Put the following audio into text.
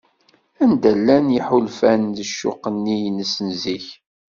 Anda llan yiḥulfan d ccuq-nni-ines n zik?